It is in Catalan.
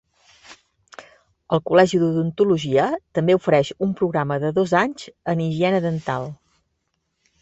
El Col·legi d'Odontologia també ofereix un programa de dos anys en higiene dental.